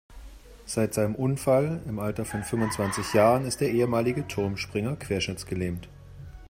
Seit seinem Unfall im Alter von fünfundzwanzig Jahren ist der ehemalige Turmspringer querschnittsgelähmt.